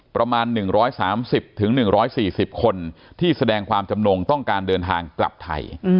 ประมาณ๑๓๐๑๔๐คนที่แสดงความจำนงต้องการเดินทางกลับไทย